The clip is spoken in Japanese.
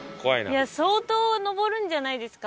相当上るんじゃないですか？